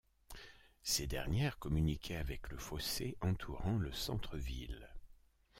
Ces dernières communiquaient avec le fossé entourant le centre-ville.